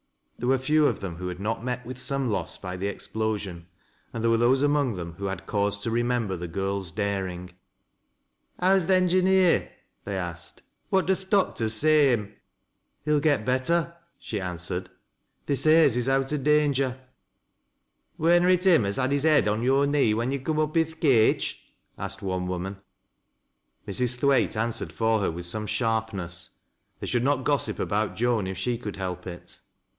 There were few of them who had not met with some lose by the explosion, and there were those among them who had cause to remember the girl's daring. "How's th' engineer?" they asked. "What do th' doctors say o' him ?"" He'll get better," she answered. " They say as he's out o' danger." " Wur na it him as had his head on yore knee when yo' come up i' th' cage ?" asked one woman. Mrs. Thwaite answered for her with some sharpness. They should not gossip about Joan, if she could help it.